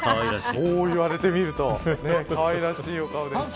そう言われてみるとかわいらしいお顔です。